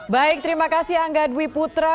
baik terima kasih angga dwi putra